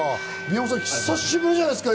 久しぶりじゃないですか？